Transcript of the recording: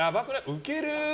ウケるー！